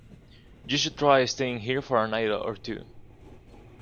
You should try staying here for a night or two